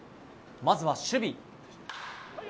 まずは守備。